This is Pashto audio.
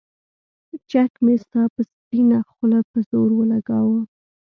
چک مې ستا پۀ سپينه خله پۀ زور اولګوو